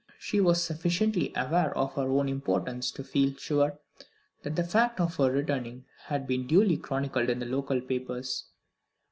She was sufficiently aware of her own importance to feel sure that the fact of her return had been duly chronicled in the local papers.